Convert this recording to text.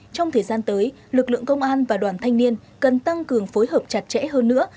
trong thời gian tới lực lượng công an và đoàn thanh niên cần tăng cường phối hợp chặt chẽ hơn nữa